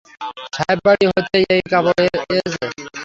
সাহেববাড়ি হতে এই কাপড় এয়েছে।